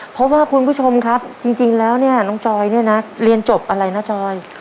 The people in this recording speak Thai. เพราะว่าคุณผู้ชมครับจริงแล้วน้องจอยเรียนจบอะไรนะจอย